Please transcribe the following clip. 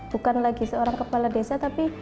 bukan lagi seorang kepala desa tapi